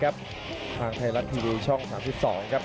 ทางไทยรัฐทีวีช่อง๓๒ครับ